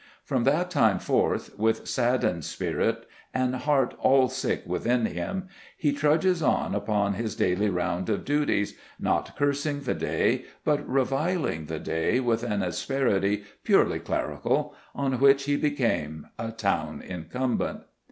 From that time forth, with saddened spirit and heart all sick within him, he trudges on upon his daily round of duties, not cursing the day, but reviling the day with an asperity purely clerical, on which he became a town incumbent.